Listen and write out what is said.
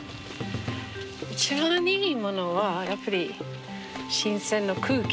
一番いいものはやっぱり新鮮な空気。